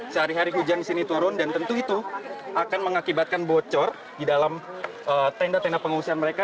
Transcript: sehari hari hujan di sini turun dan tentu itu akan mengakibatkan bocor di dalam tenda tenda pengungsian mereka